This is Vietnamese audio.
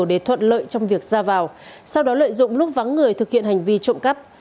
để thuận lợi trong việc ra vào sau đó lợi dụng lúc vắng người thực hiện hành vi trộm cắp